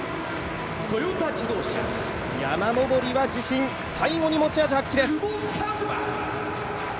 山登りは自信、最後に持ち味発揮です。